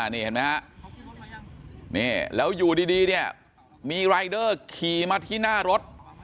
นี่เห็นไหมฮะนี่แล้วอยู่ดีเนี่ยมีรายเดอร์ขี่มาที่หน้ารถ